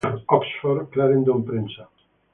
Oxford: Clarendon Prensa.